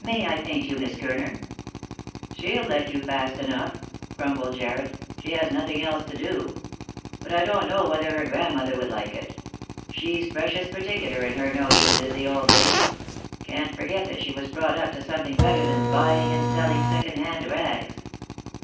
May I paint you. Miss Gurner? " She'll let you fast enough," grumbled Jarred. " She has nothing else to do. But I don't know whether her grandmother would like it. She's precious particular in her notions, is the old lady — can't forget that she was brought up to something better than buying and selling second hand rags."